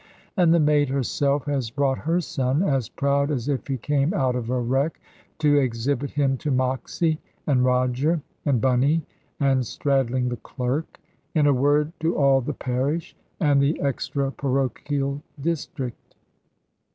And the Maid herself has brought her son, as proud as if he came out of a wreck, to exhibit him to Moxy, and Roger, and Bunny, and Stradling the clerk in a word, to all the parish, and the extra parochial district.